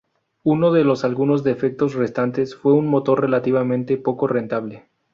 Uno de algunos defectos restantes fue un motor relativamente poco rentable.